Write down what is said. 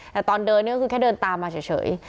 แต่ตอนเดินนี่ก็คือแค่เดินตามมาเฉย